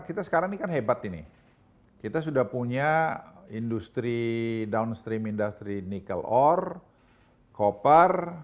kita sekarang ini kan hebat ini kita sudah punya industri downstream industri nikel ore koper